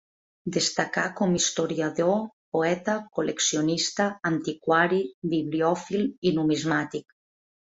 Destacà com historiador, poeta, col·leccionista, antiquari, bibliòfil, i numismàtic.